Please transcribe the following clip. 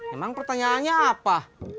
emang pertanyaannya apa